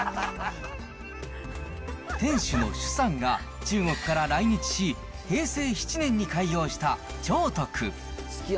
店主の朱さんが中国から来日し、平成７年に開業した兆徳。